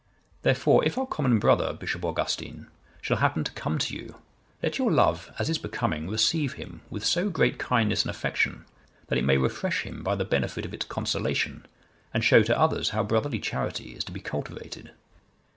Therefore, if our common brother, Bishop Augustine, shall happen to come to you, let your love, as is becoming, receive him with so great kindness and affection, that it may refresh him by the benefit of its consolation and show to others how brotherly charity is to be cultivated.